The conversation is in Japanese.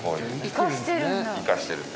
生かしてるんだ。